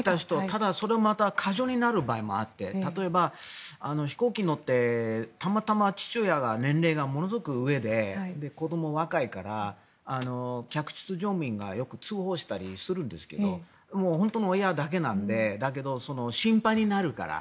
ただ、それがまた過剰になる場合もあって例えば、飛行機に乗ってたまたま父親が年齢がものすごく上で子どもは若いから、客室乗務員がよく通報したりするんですけど本当の親だけなのでだけど、心配になるから。